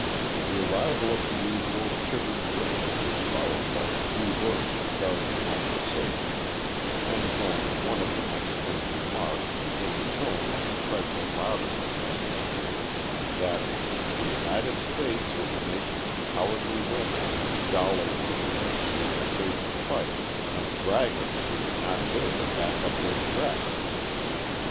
The arrival of the usual sugared drinks was followed by a few words of guarded conversation, and then one of the Mexicans remarked, in a tone a trifle louder than necessary, that "the United States is a nation of cowardly women, dollar worshipers who are afraid to fight, and braggarts who would not dare to back up their threats."